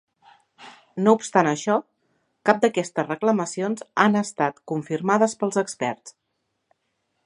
No obstant això, cap d'aquestes reclamacions han estat confirmades pels experts.